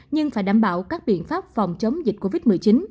nhưng phải đảm bảo các biện pháp phòng chống dịch covid một mươi chín